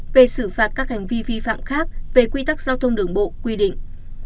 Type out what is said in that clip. về xử phạt các hành vi vi phạm khác về quy tắc giao thông đường bộ quy định